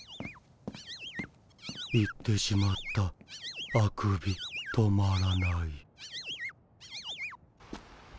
行ってしまったあくび止まらない。